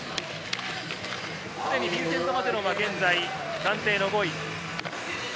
ビンセント・マゼロンは現在、暫定５位。